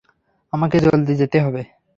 আমাকে জলদি যেতে হবে।